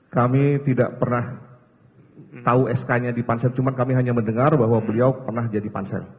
kami tidak pernah tahu sk nya di pansel cuma kami hanya mendengar bahwa beliau pernah jadi pansel